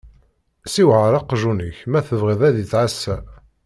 Ssiwɛeṛ aqjun-ik ma tebɣiḍ ad ittɛassa!